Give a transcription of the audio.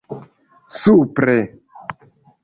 supre